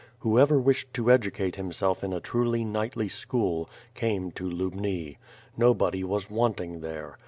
Whoever wished to educate himself in a truly knightly school, came to Lubni. Nobody was want ing there.